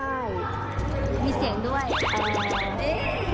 มีเสียงด้วย